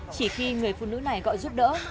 chỉ khi người phụ nữ này gọi giúp đỡ